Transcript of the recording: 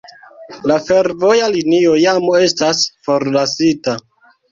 La fervoja linio jam estas forlasita.